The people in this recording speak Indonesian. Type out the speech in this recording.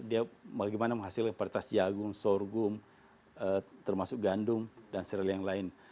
dia bagaimana menghasilkan pertas jagung sorghum termasuk gandum dan seral yang lain